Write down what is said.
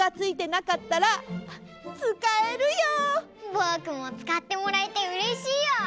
ぼくもつかってもらえてうれしいよ！